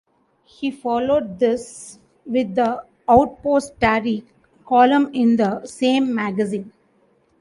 He followed this with the "Outpost Atari" column in the same magazine.